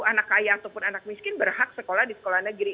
karena anak kaya ataupun anak miskin berhak sekolah di sekolah negeri